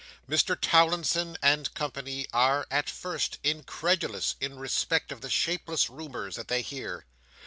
Mr Towlinson and company are, at first, incredulous in respect of the shapeless rumours that they hear.